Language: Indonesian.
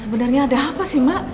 ma sebenernya ada apa sih ma